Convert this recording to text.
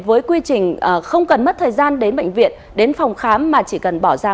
với quy trình không cần mất thời gian đến bệnh viện đến phòng khám mà chỉ cần bỏ ra